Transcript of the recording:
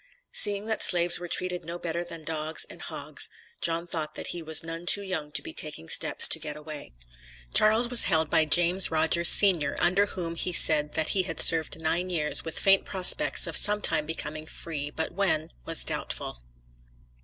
Seeing that slaves were treated no better than dogs and hogs, John thought that he was none too young to be taking steps to get away. Charles was held by James Rodgers, Sr., under whom he said that he had served nine years with faint prospects of some time becoming free, but when, was doubtful.